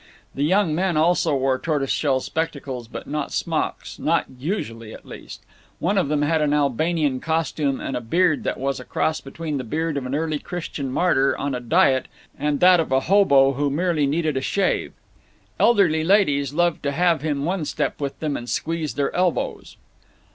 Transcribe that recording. The young men also wore tortoise shell spectacles, but not smocks not usually, at least. One of them had an Albanian costume and a beard that was a cross between the beard of an early Christian martyr on a diet and that of a hobo who merely needed a shave. Elderly ladies loved to have him one step with them and squeeze their elbows.